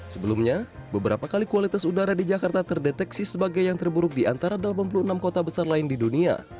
sebelumnya beberapa kali kualitas udara di jakarta terdeteksi sebagai yang terburuk di antara delapan puluh enam kota besar lain di dunia